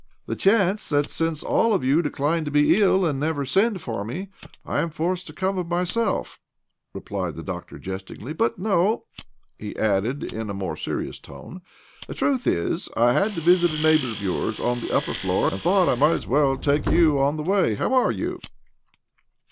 " The chance that, since all of you decline to be ill, and never send for me, I am forced to come of myself," repUed the doctor jest OBLOMOV 65 ingly. " But no," he added, in a more serious tone. " The truth is, I had to visit a neighbour of yours on the upper floor, and thought I might as well take you on the way. How are you?"